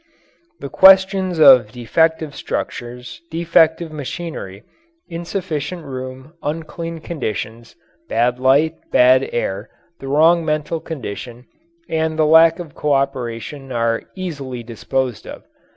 The questions of defective structures, defective machinery, insufficient room, unclean conditions, bad light, bad air, the wrong mental condition, and the lack of cooperation are easily disposed of.